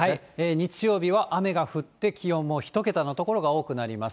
日曜日は雨が降って、気温も１桁の所が多くなります。